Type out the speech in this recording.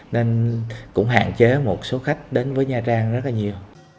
nên cũng hạn chế một số khách đến với nha trang rất là nhiều